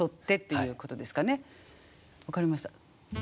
分かりました。